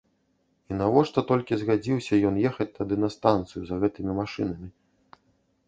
І навошта толькі згадзіўся ён ехаць тады на станцыю за гэтымі машынамі.